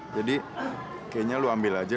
jadi kayaknya lo ambil aja lagi deh